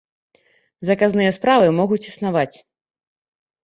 Заказныя справы могуць існаваць.